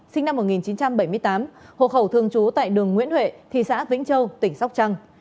sinh năm một nghìn chín trăm bảy mươi tám hộ khẩu thường trú tại đường nguyễn huệ thị xã vĩnh châu tỉnh sóc trăng